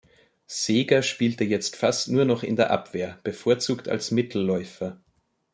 Seeger spielte jetzt fast nur noch in der Abwehr, bevorzugt als Mittelläufer.